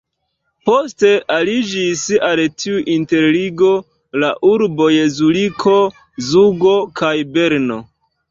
Poste aliĝis al tiu interligo la urboj Zuriko, Zugo kaj Berno.